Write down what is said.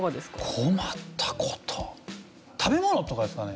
困った事食べ物とかですかね？